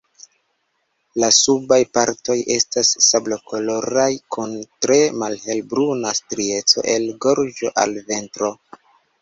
La subaj partoj estas sablokoloraj, kun tre malhelbruna strieco el gorĝo al ventro.